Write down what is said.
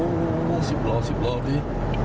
โอ้โหสิบรอสิบรอดนี่